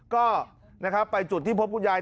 ก็ไปจุดที่พบคุณยาย